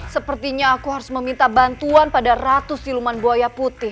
sepertinya aku harus meminta bantuan pada ratus siluman bodohnya